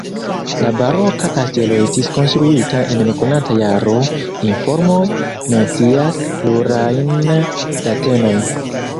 La baroka kastelo estis konstruita en nekonata jaro, informoj mencias plurajn datenojn.